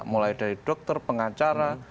mulai dari dokter pengacara